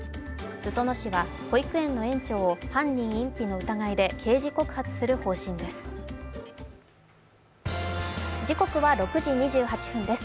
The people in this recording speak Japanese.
裾野市は保育園の園長を犯人隠避の疑いで刑事告発する方針です。